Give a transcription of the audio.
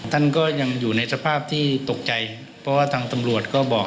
ท่านก็ยังอยู่ในสภาพที่ตกใจเพราะว่าทางตำรวจก็บอก